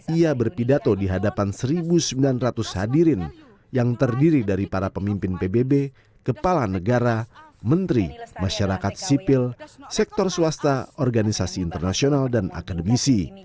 ia berpidato di hadapan satu sembilan ratus hadirin yang terdiri dari para pemimpin pbb kepala negara menteri masyarakat sipil sektor swasta organisasi internasional dan akademisi